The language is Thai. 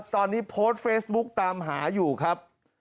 ตอนนี้โพสต์เฟซบุ๊กตามหาอยู่ครับ